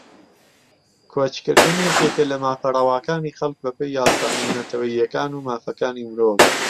کۆچکردن یەکێکە لە مافە ڕەواکانی خەڵک بەپێی یاسا نێونەتەوەییەکان و مافەکانی مرۆڤ